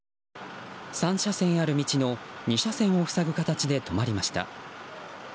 ３車線ある道の２車線を塞ぐ形で止まりました。